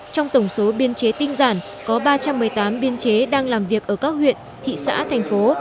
trong tổng số biên chế tinh giản có ba trăm một mươi tám biên chế đang làm việc ở các huyện thị xã thành phố